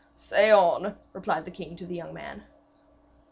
'Say on,' replied the king to the young man.